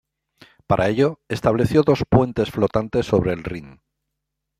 Para ello, estableció dos puentes flotantes sobre el Rin.